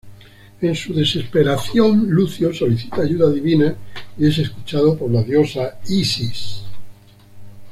En su desesperación, Lucio solicita ayuda divina y es escuchado por la diosa Isis.